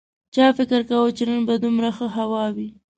چا فکر کاوه چې نن به دومره ښه هوا وي